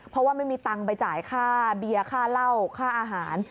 เพราะว่าไม่มีตังค์ไปจ่ายค่าเบียร์ค่าเหล้าค่าอาหาร